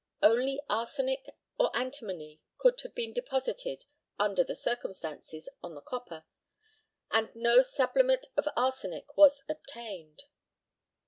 Only arsenic or antimony could have been deposited, under the circumstances, on the copper, and no sublimate of arsenic was obtained.